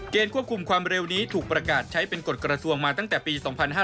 ควบคุมความเร็วนี้ถูกประกาศใช้เป็นกฎกระทรวงมาตั้งแต่ปี๒๕๕๙